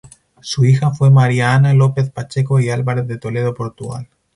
Su hija fue María Ana López Pacheco y Álvarez de Toledo Portugal.